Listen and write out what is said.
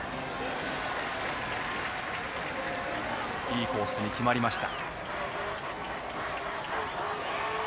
いいコースに決まりました。